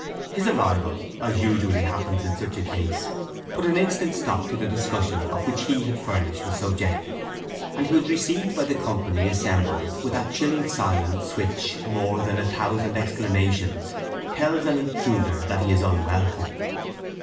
His arrival, as usually happens in such a case, put an instant stop to the discussion of which he had furnished the subject, and he was received by the company assembled with that chilling silence which, more than a thousand exclamations, tells an intruder that he is unwelcome.